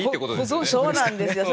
そうなんですよ。